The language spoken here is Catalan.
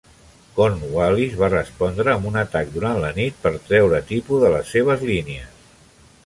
Cornwallis va respondre amb un atac durant la nit per treure Tipu de les seves línies.